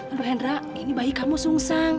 aduh hendra ini bayi kamu sungsang